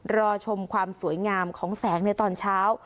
รอชมความสวยงามของแสงในตอนเช้า